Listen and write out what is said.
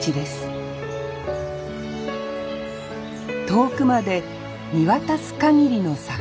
遠くまで見渡す限りの桜。